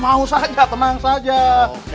mau saja tenang saja